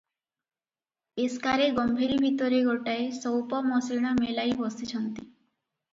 ପେସ୍କାରେ ଗମ୍ଭୀରି ଭିତରେ ଗୋଟାଏ ସଉପମସିଣା ମେଲାଇ ବସିଛନ୍ତି ।